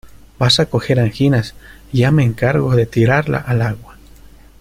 vas a coger anginas, ya me encargo de tirarla al agua.